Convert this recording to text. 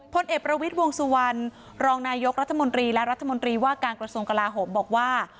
พลเอกประวิทย์วงสุวรรณรองนายกรัฐมนตรีและรัฐมนตรีว่าการกระทรวงกลาโหมบอกว่า